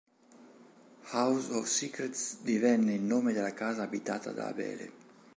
House of Secrets divenne il nome della casa abitata da Abele.